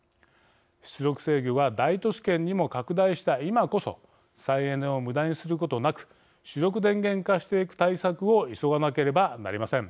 出力制御が大都市圏にも拡大した今こそ再エネをむだにすることなく主力電源化していく対策を急がなければなりません。